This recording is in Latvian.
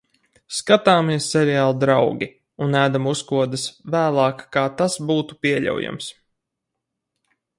Skatāmies seriālu "Draugi" un ēdam uzkodas vēlāk kā tas būtu pieļaujams.